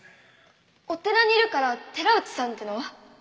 お寺にいるから寺内さんっていうのは？